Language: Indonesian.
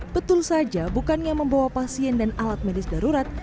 betul saja bukannya membawa pasien dan alat medis darurat